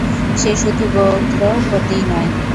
সে শুধু গোত্রপতিই নয়।